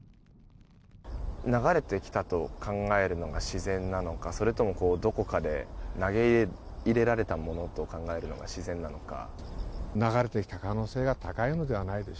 流れてきたと考えるのが自然なのかそれともどこかで投げ入れられたものと考えるのが自然なのか。